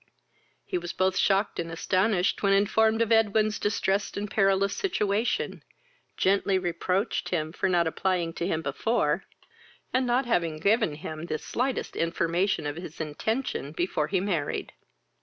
He was both shocked and astonished when informed of Edwin's distressed and perilous situation, gently reproached him for not applying to him before, and for not haven given him the slightest information of his intention before he married.